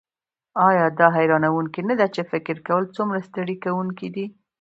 ایا دا حیرانوونکې نده چې فکر کول څومره ستړي کونکی دي